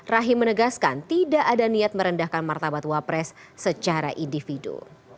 rahim menegaskan tidak ada niat merendahkan martabat wapres secara individu